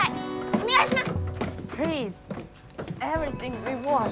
お願いします！